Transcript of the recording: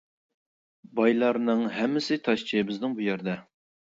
بايلارنىڭ ھەممىسى تاشچى بىزنىڭ بۇ يەردە.